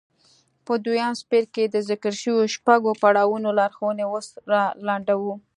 په دويم څپرکي کې د ذکر شويو شپږو پړاوونو لارښوونې اوس را لنډوو.